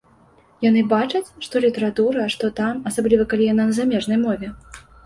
Яны бачаць, што літаратура, а што там, асабліва калі яна на замежнай мове?